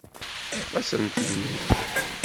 Ṭṭef-asent-ten-id.